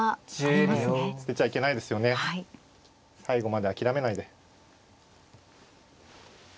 最後まで諦めないで。